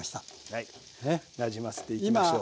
はいなじませていきましょう。